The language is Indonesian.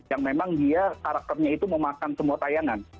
yang memang dia karakternya itu memakan semua tayangan